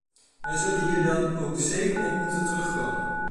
Wij zullen hier dan ook zeker op moeten terugkomen.